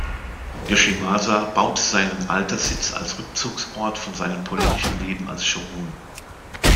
Yoshimasa baute seinen Alterssitz als Rückzugsort von seinem politischen Leben als Shōgun.